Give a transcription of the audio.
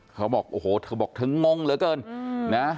เขาบอกโอ้โหเธอบอกเธองงเหลือเกินนะ